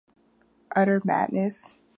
Utter madness!